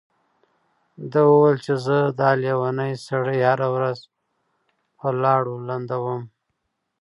ده وويل چې زه دا لېونی سړی هره ورځ په لاړو لندوم.